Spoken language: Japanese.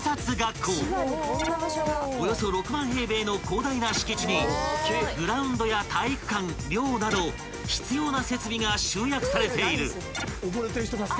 ［およそ６万平米の広大な敷地にグラウンドや体育館寮など必要な設備が集約されている］